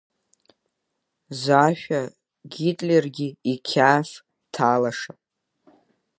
Зашәа Гитлергьы иқьаф ҭалаша!